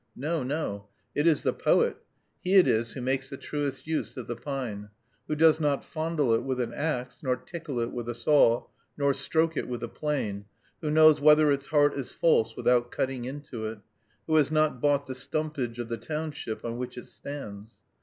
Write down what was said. No! no! it is the poet; he it is who makes the truest use of the pine, who does not fondle it with an axe, nor tickle it with a saw, nor stroke it with a plane, who knows whether its heart is false without cutting into it, who has not bought the stumpage of the township on which it stands.